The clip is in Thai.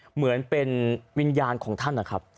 เหมือนเป็นวิญญาณของท่านนะครับ